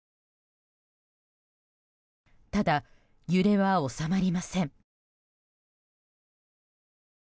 ただ、揺れは収まりません。